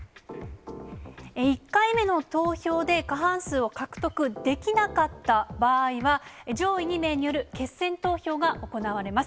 １回目の投票で過半数を獲得できなかった場合は、上位２名による決選投票が行われます。